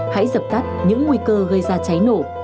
hãy giập cắt những nguy cơ gây ra cháy nổ